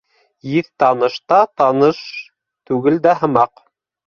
Еҫ таныш та, таныш түгел дә һымаҡ.